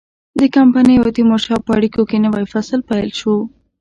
د کمپنۍ او تیمورشاه په اړیکو کې نوی فصل پیل شو.